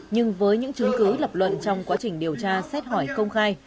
nhưng với những chứng cứ lập luận trong quá trình điều tra xét hỏi công khai